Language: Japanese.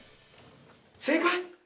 正解？